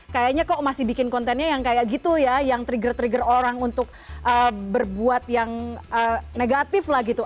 kayaknya kok masih bikin kontennya yang kayak gitu ya yang trigger trigger orang untuk berbuat yang negatif lah gitu